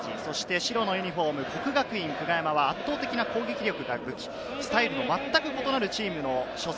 白のユニホーム、國學院久我山は圧倒的な攻撃力が武器、スタイルのまったく異なるチームの初戦。